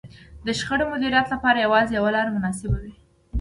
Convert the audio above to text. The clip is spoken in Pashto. د شخړې د مديريت لپاره يوازې يوه لار مناسبه نه وي.